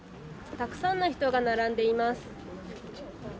たくさんの人が並んでいます。